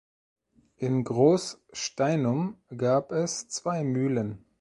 In Groß-Steinum gab es zwei Mühlen.